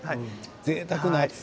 ぜいたくな厚さ。